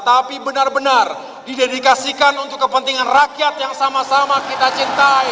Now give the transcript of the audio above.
tapi benar benar didedikasikan untuk kepentingan rakyat yang sama sama kita cintai